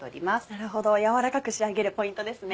なるほど軟らかく仕上げるポイントですね。